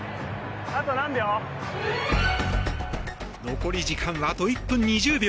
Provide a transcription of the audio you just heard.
残り時間あと１分２０秒。